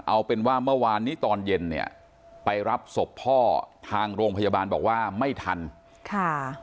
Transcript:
เอาเป็นว่าเมื่อวานนี้ตอนเย็นเนี่ยไปรับศพพ่อทางโรงพยาบาลบอกว่าไม่ทันค่ะ